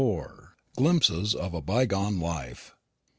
GLIMPSES OF A BYGONE LIFE.